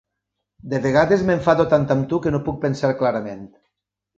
De vegades m'enfado tan amb tu que no puc pensar clarament.